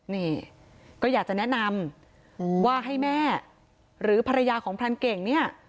นี่ก็อยากจะแนะนำว่าให้แม่หรือภรรยาของพรานเก่งเนี่ย